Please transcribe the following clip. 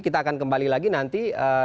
kita akan kembali lagi nanti